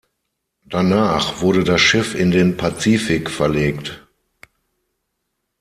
Danach wurde das Schiff in den Pazifik verlegt.